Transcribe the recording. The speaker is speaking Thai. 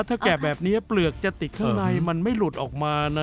ถ้าแกะแบบนี้เปลือกจะติดข้างในมันไม่หลุดออกมานะ